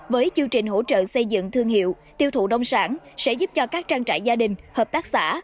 với chương trình hỗ trợ xây dựng thương hiệu tiêu thụ nông sản sẽ giúp cho các trang trại gia đình hợp tác xã